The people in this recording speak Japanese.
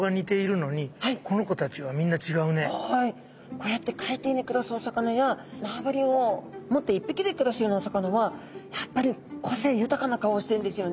こうやって海底に暮らすお魚や縄張りを持って一匹で暮らすようなお魚はやっぱり個性豊かな顔をしてるんですよね。